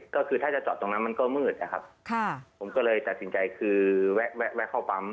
ก็คือถ้าจะจอดตรงนั้นมันก็มืดนะครับผมก็เลยตัดสินใจคือแวะแวะเข้าปั๊ม